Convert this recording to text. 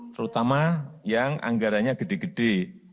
terutama yang anggaranya gede gede